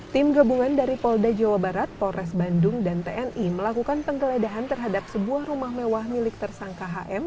tim gabungan dari polda jawa barat polres bandung dan tni melakukan penggeledahan terhadap sebuah rumah mewah milik tersangka hm